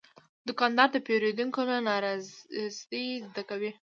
دوکاندار د پیرودونکو له نارضایتۍ زده کوي.